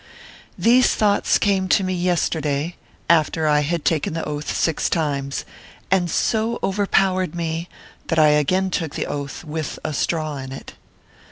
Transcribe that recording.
These thoughts came to me yesterday, after I had taken the Oath six times, and so overpowered me that I again took the Oath, with a straw in it.